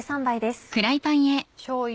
しょうゆ。